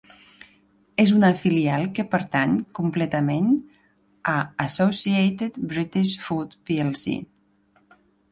És una filial que pertany completament a Associated British Foods Plc.